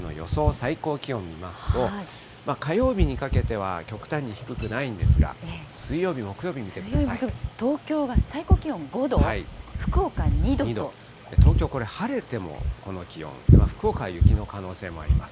最高気温見ますと、火曜日にかけては極端に低くないんですが、水曜日、水曜日、木曜日、東京が最高東京これ、晴れてもこの気温、福岡は雪の可能性もあります。